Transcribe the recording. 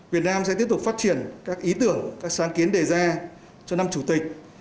việt nam sẽ tiếp tục phát triển các ý tưởng các sáng kiến đề ra cho năm chủ tịch